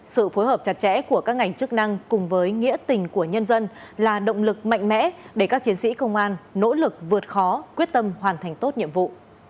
sự phối hợp chặt chẽ của các ngành chức năng cùng với nghĩa tình của nhân dân là động lực mạnh mẽ để các chiến sĩ công an nỗ lực vượt khó quyết tâm hoàn thành tốt nhiệm vụ